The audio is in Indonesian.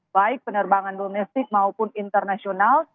baik penerbangan domestik maupun internasional